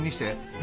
何？